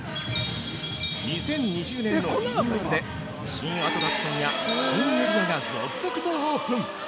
２０２０年のリニューアルで新アトラクションや新エリアが続々とオープン。